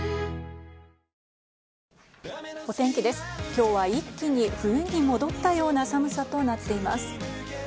今日は一気に冬に戻ったような寒さとなっています。